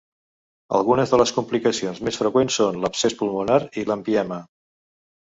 Algunes de les complicacions més freqüents són l'abscés pulmonar i l'empiema.